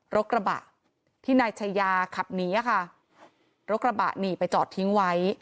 รถกระบะที่นายชายาขับหนีอะค่ะรถกระบะหนีไปจอดทิ้งไว้